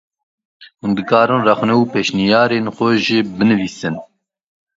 Hûn dikarin rexne û pêşniyarên xwe jî binivîsin.